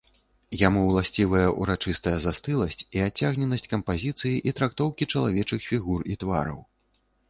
Яму ўласцівая ўрачыстая застыласць і адцягненасць кампазіцыі і трактоўкі чалавечых фігур і твараў.